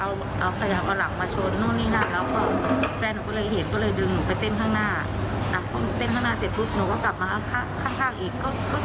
แล้วอันนี้เค้าก็เลินมาถือแก้วเล่าแล้วเค้าก็ว่า